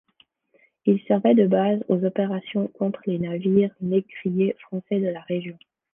Il servait de base aux opérations contre les navires négriers français de la région.